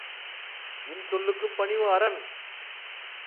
இன்சொல்லுக்குப் பணிவு அரண்.